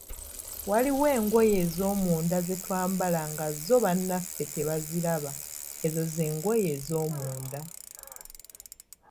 Waliwo engoye ez'omunda ze twambala nga zo bannaffe tebaziraba, ezo z'engoye ez'omunda.